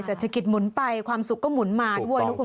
เศรษฐกิจหมุนไปความสุขก็หมุนมาก